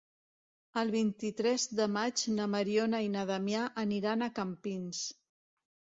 El vint-i-tres de maig na Mariona i na Damià aniran a Campins.